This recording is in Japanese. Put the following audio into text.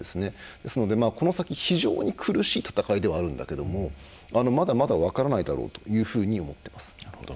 ですので、この先非常に苦しい戦いではあるんだけどもまだまだ分からないだろうと思っています。